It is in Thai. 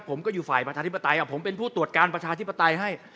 ผมก็อยู่ฝ่ายประชาธิปไตยผมเป็นผู้ตรวจการประชาธิปไตยให้